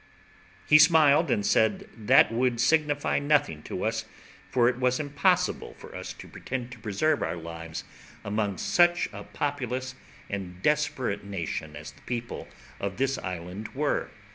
He smiled, and said they would signify nothing to us, for it was impossible for us to pretend to preserve our lives among such a populous and desperate nation as the people of this island were.